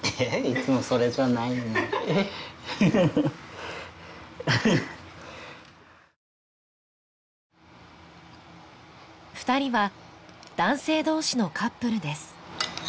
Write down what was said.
いつもそれじゃないのに２人は男性同士のカップルです